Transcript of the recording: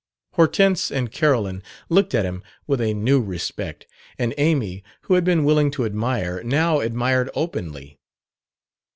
Hortense and Carolyn looked at him with a new respect; and Amy, who had been willing to admire, now admired openly.